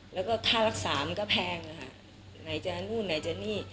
แล้วก็ค่ารักษามันก็แพงนะคะไหนจะนู่นไหนจะนี่